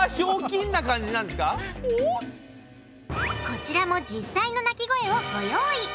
こちらも実際の鳴き声をご用意！